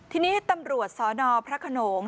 ทีนี้ตำรวจสนพระขนง